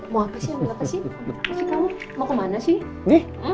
mau kemana sih